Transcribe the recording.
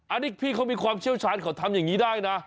อันนี้พี่เขามีความเชี่ยวชาญเขาทำอย่างนี้ได้นะ